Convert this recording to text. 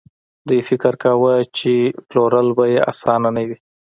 دوی فکر کاوه چې پلورل به يې اسانه نه وي.